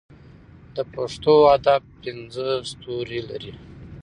د پښتو ادب پنځه ستوري لري.